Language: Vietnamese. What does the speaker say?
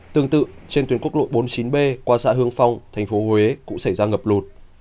tương tự trên tuyến quốc lộ bốn mươi chín b qua xã hương phong tp huế cũng xảy ra ngập lụt